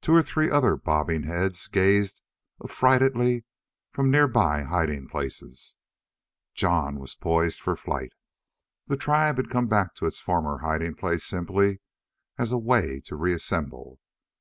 Two or three other bobbing heads gazed affrightedly from nearby hiding places. Jon was poised for flight. The tribe had come back to its former hiding place simply as a way to reassemble.